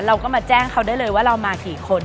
เราก็มาแจ้งเขาได้เลยว่าเรามากี่คน